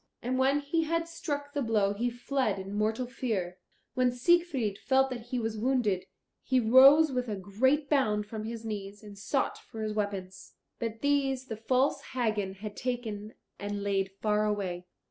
And when he had struck the blow he fled in mortal fear. When Siegfried felt that he was wounded, he rose with a great bound from his knees and sought for his weapons. But these the false Hagen had taken and laid far away.